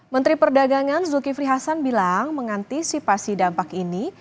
menteri perdagangan zulkifli hasan bilang mengantisipasi dampak ini